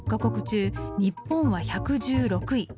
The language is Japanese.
中日本は１１６位。